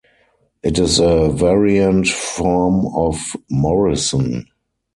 It is a variant form of Morrison.